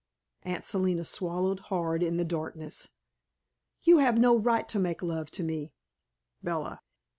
Aunt Selina swallowed hard in the darkness. "You have no right to make love to me," Bella.